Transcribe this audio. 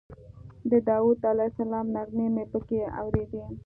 د داود علیه السلام نغمې مې په کې اورېدې.